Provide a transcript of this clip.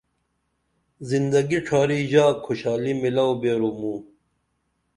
زندگی ڇھاری ژا کُھشالی میلاو بیرو مُوں